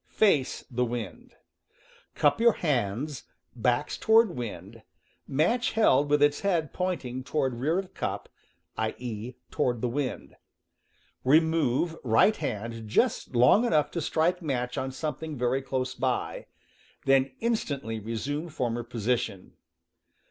Face the wind. Cup your hands, backs toward wind, match held with its head pointing toward rear of cup ^ T • I,* — i.f., toward the wind. Remove right „,. hand just long enough to strike match +Ti "W H ^^ something very close by; then in stantly resume former position.